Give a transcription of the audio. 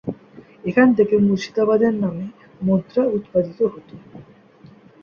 এখান থেকে মুর্শিদাবাদের নামে মুদ্রা উৎপাদিত হত।